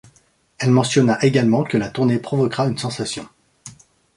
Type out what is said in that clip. Elle mentionna également que la tournée provoquera une sensation.